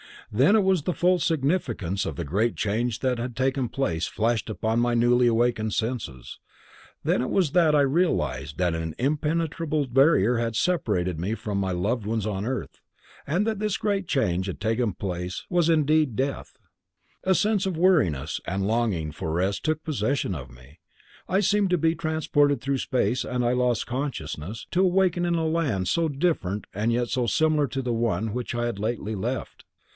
"Then it was that the full significance of the great change that had taken place flashed upon my newly awakened senses; then it was that I realized that an impenetrable barrier separated me from my loved ones on earth, and that this great change which had taken place was indeed death. A sense of weariness and longing for rest took possession of me. I seemed to be transported through space, and I lost consciousness, to awaken in a land so different and yet so similar to the one which I had lately left.